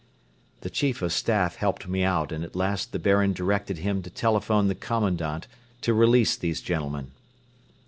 The Chief of Staff helped me out and at last the Baron directed him to telephone the Commandant to release these gentlemen.